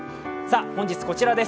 本日こちらです。